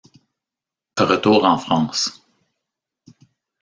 Retour en France.